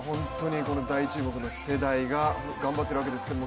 大注目の世代が頑張っているわけですけど